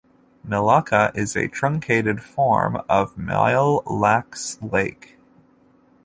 Milaca is a truncated form of Mille Lacs Lake.